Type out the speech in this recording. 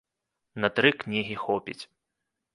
На тры кнігі хопіць!